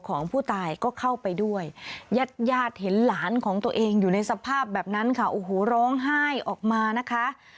โอ้โฮร้องไห้ออกมานะคะ